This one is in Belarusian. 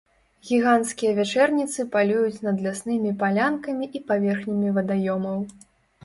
Гіганцкія вячэрніцы палююць над ляснымі палянкамі і паверхнямі вадаёмаў.